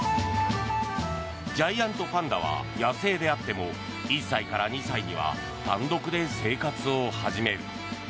ジャイアントパンダは野生であっても１歳から２歳には単独で生活を始める。